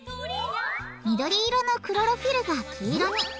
緑色のクロロフィルが黄色に。